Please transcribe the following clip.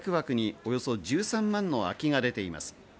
およそ１３万の空きが出ています。